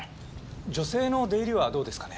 女性の出入りはどうですかね？